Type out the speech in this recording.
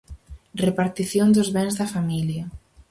Repartición dos bens da familia.